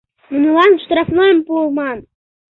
— Нунылан штрафнойым пуыман!